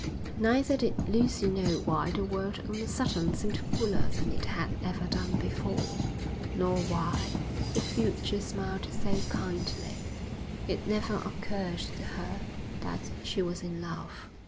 Neither did Lucy know why the world on a sudden seemed fuller than it had ever done before, nor why the future smiled so kindly: it never occurred to her that she was in love.